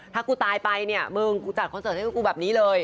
ถ้ากูตายไปเนี่ยมึงกูจัดคอนเสิร์ตให้กูแบบนี้เลย